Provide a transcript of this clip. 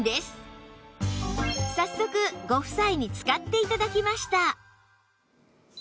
早速ご夫妻に使って頂きました